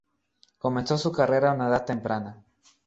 Comenzó su carrera a una edad temprana.